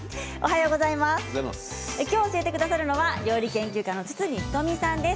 今日教えてくださるのは料理研究家の堤人美さんです。